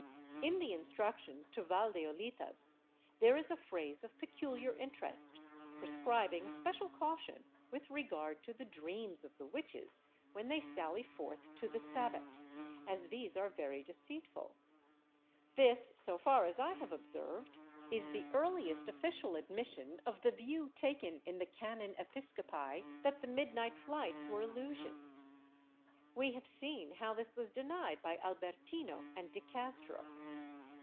220 WITCHCRAFT [Book VIII In the instructions to Valdeolitas there is a phrase of peculiar interest, prescribing special caution with regard to the dreams of the witches v/hen they sally forth to the Sabbat, as these are very deceitful. This, so far as I have observed, is the earliest official admission of the view taken in the can. Episcopi that the midnight flights were illusions. We have seen how this was denied by Albertino and de Castro.